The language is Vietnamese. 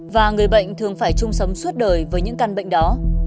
và người bệnh thường phải chung sống suốt đời với những căn bệnh đó